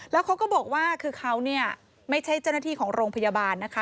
แล้วเขาก็บอกว่าคือเขาเนี่ยไม่ใช่เจ้าหน้าที่ของโรงพยาบาลนะคะ